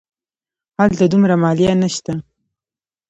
هلته دومره مالیه نه شته.